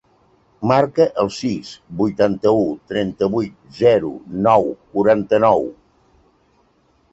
Marca el sis, vuitanta-u, trenta-vuit, zero, nou, quaranta-nou.